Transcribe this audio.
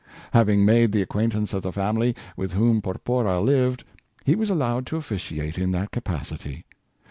Having made the acquaintance of the family with whom Porpora lived, he was allowed to officiate in that capacity.